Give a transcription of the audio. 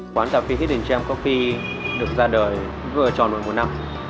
quán cà phê heidengem coffee được ra đời vừa tròn mỗi một năm